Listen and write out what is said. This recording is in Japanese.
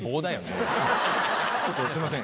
ちょっとすいません